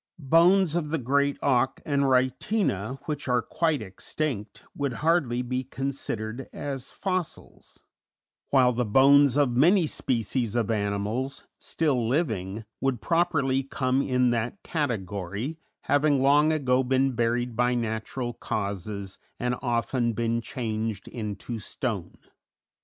Bones of the Great Auk and Rytina, which are quite extinct, would hardly be considered as fossils; while the bones of many species of animals, still living, would properly come in that category, having long ago been buried by natural causes and often been changed into stone.